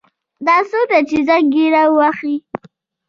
دا څوک ده چې زنګ یې را وهي